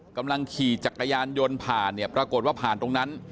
กำลังขี่จักรยานยนต์ผ่านเนี่ยปรากฏว่าผ่านตรงนั้น